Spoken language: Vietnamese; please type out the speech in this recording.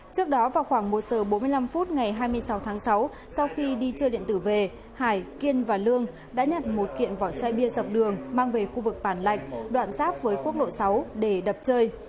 trước đó vào khoảng một giờ bốn mươi năm phút ngày hai mươi sáu tháng sáu sau khi đi chơi điện tử về hải kiên và lương đã nhận một kiện vỏ chai bia dọc đường mang về khu vực bản lạnh đoạn giáp với quốc lộ sáu để đập chơi